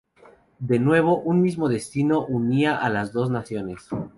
De nuevo, un mismo destino unía a las dos naciones.